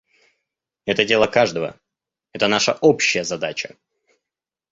Это дело каждого; это наша общая задача.